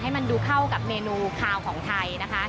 ให้มันดูเข้ากับเมนูคาวของไทยนะคะ